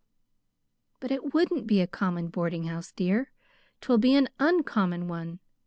"But it wouldn't be a common boarding house, dear. 'Twill be an uncommon one.